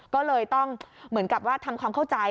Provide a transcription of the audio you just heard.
ก็เลยต้องเหมือนกับว่าทำความเข้าใจ